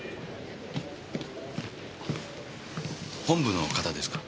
本部の方ですか？